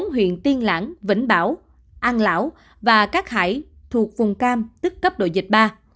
bốn huyện tiên lãng vĩnh bảo an lão và cát hải thuộc vùng cam tức cấp độ dịch ba